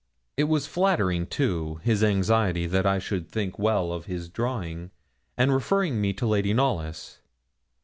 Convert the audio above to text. It was flattering, too, his anxiety that I should think well of his drawing, and referring me to Lady Knollys.